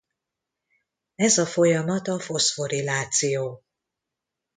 Ez a folyamat a foszforiláció.